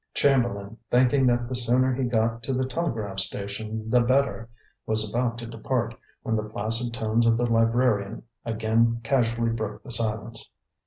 Chamberlain, thinking that the sooner he got to the telegraph station the better, was about to depart, when the placid tones of the librarian again casually broke the silence.